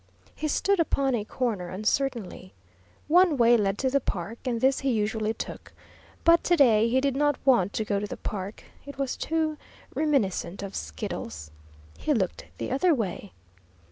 He stood upon a corner uncertainly. One way led to the park, and this he usually took; but to day he did not want to go to the park it was too reminiscent of Skiddles. He looked the other way.